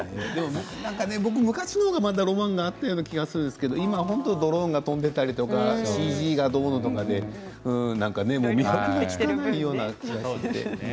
昔の方がロマンがあったような気がするんですけど今はドローンが飛んでいたりＣＧがどうのとかで見分けがつかないような感じで。